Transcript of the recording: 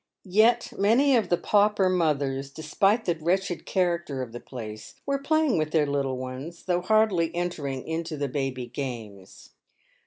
Yet many of the pauper mothers, despite the wretched character of the place, were playing with their little ones, though hardly enter ing into the baby games.